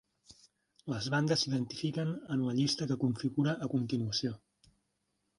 Les bandes s'identifiquen en la llista que figura a continuació.